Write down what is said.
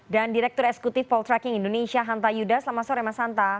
dan direktur esekutif poltraking indonesia hanta yudha selamat sore mas hanta